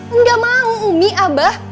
enggak mau umi abah